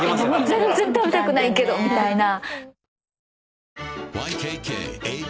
全然食べたくないけどみたいな。